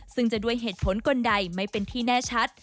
ซึ่งจะด้วยเหตุผลคนใดไม่เป็นที่แน่ชัด